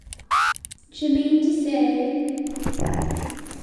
D'you mean to say —?